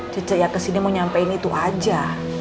cica ya kesini mau nyampein itu aja